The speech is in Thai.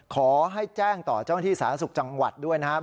ขอให้แจ้งต่อเจ้าหน้าที่สาธารณสุขจังหวัดด้วยนะครับ